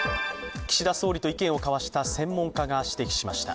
岸田総理と意見を交わした専門家が指摘しました。